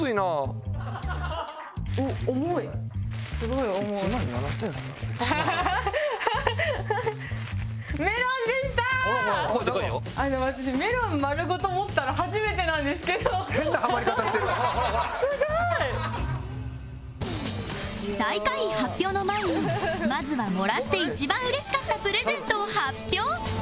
すごい！最下位発表の前にまずはもらって一番うれしかったプレゼントを発表